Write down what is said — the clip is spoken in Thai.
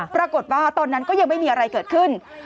ปรากฏว่าตอนนั้นก็ยังไม่มีอะไรเกิดขึ้น